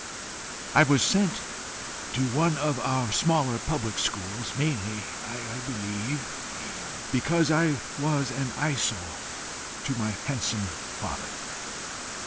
"I was sent to one of our smaller public schools mainly, I believe, because I was an eyesore to my handsome father.